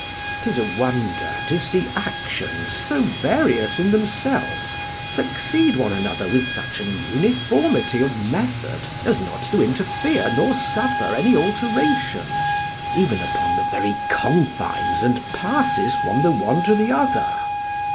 'Tis a wonder to see actions so various in themselves succeed one another with such an uniformity of method as not to interfere nor suffer any alteration, even upon the very confines and passes from the one to the other.